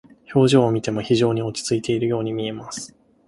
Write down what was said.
表情を見ても非常に落ち着いているように見えます。